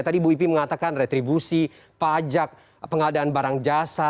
tadi bu ipi mengatakan retribusi pajak pengadaan barang jasa